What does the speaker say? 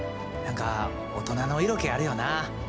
何か大人の色気あるよな。